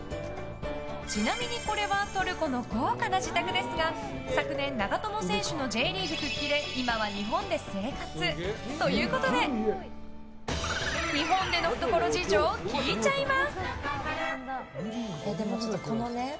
ちなみにこれはトルコの豪華な自宅ですが昨年、長友選手のＪリーグ復帰で今は日本で生活。ということで日本での懐事情聞いちゃいます。